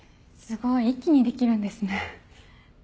すごい一気にできるんですね。